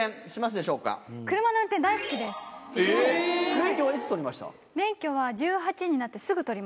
免許はいつ取りました？